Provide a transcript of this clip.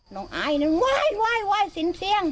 น้องอายว่ายซิ้นเสียง